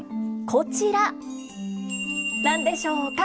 こちら何でしょうか？